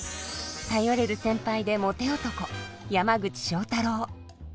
頼れる先輩でモテ男山口正太郎。